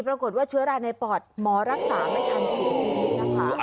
ปรากฏว่าเชื้อราในปอดมอรักษาไม่การสูดจริงนะคะ